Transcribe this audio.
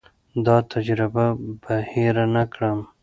دا تجربه به هېر نه کړم.